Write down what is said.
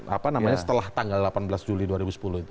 apa namanya setelah tanggal delapan belas juli dua ribu sepuluh itu